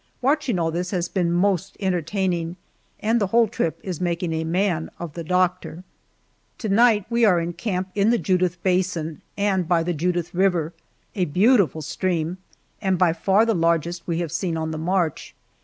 Watching all this has been most entertaining and the whole trip is making a man of the doctor. To night we are in camp in the Judith Basin and by the Judith River a beautiful stream, and by far the largest we have seen on the march.